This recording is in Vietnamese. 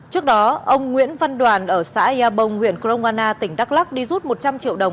trước đó ông nguyễn văn đoàn ở xã yà bông huyện crong anna tỉnh đắk lắc đi rút một trăm linh triệu đồng